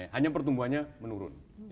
hanya pertumbuhannya menurun